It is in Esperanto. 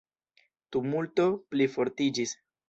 Tumulto plifortiĝis.